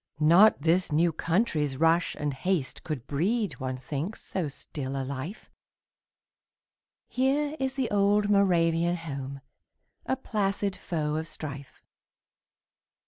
Not this new country's rush and haste Could breed, one thinks, so still a life; Here is the old Moravian home, A placid foe of strife.